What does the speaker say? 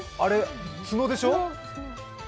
角でしょ？